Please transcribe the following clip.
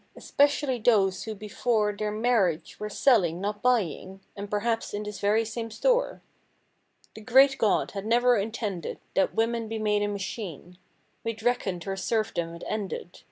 Especially those who before Their marriage were selling, not buying. And perhaps in this very same store. The Great God had never intended That women be made a machine; We'd reckoned her serfdom had ended.